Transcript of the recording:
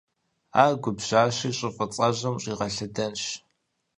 Ар губжьащи щӀы фӀыцӀэжьым ущӀигъэлъэдэнщ.